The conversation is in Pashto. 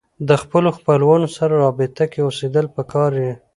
د خپلو خپلوانو سره رابطه کې اوسېدل پکار يي